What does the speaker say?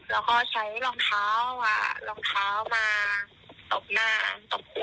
แล้วก็ใช้รองเท้ามาตบหน้าตกหัว